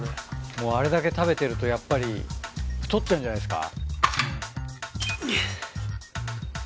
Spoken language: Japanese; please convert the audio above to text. もうあれだけ食べてるとやっぱり太ってるんじゃないですか？